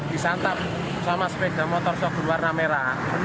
disantap sama sepeda motor so berwarna merah